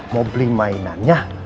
mau beli mainannya